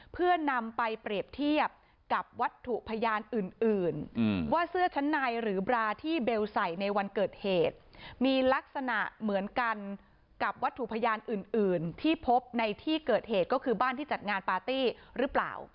เพื่อนำไปเปรียบเทียบกับวัตถุพยานอื่นว่าเสื้อชั้นในหรือบราที่เบลใส่ในวันเกิดเหตุมีลักษณะเหมือนกันกับวัตถุพยานอื่นที่พบในที่เกิดเหตุก็คือบ้านที่จัดงานปาร์ตี้หรือเปล่า